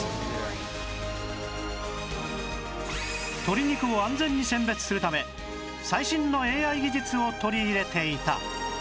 鶏肉を安全に選別するため最新の ＡＩ 技術を取り入れていた